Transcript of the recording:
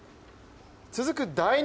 続く第２